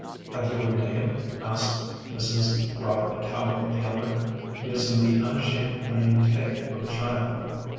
" Have you a name? " asked Mrs. Robert Calvin Taylor, using the unashamed naivete of a child.